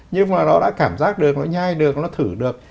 nhưng mà nó đã cảm giác được nó nhai được nó thử được